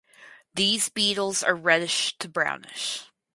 These beetles are reddish to brownish.